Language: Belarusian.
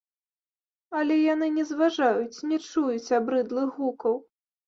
Але яны не зважаюць, не чуюць абрыдлых гукаў.